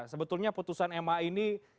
sebetulnya putusan ma ini